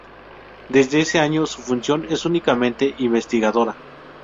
Desde ese año su función es únicamente investigadora.